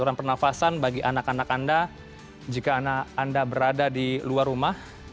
untuk seluruh nafas atau kondisi nafas bagi anak anak anda jika anda berada di luar rumah